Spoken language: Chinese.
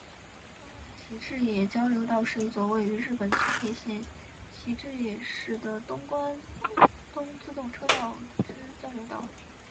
湾岸习志野交流道是一座位于日本千叶县习志野市的东关东自动车道之交流道。